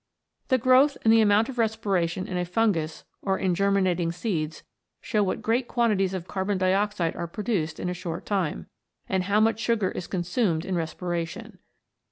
The growth and the amount of respiration in a fungus or in germinating seeds show what great quantities of carbon dioxide are produced in a short time, and how much sugar is consumed in respira tion.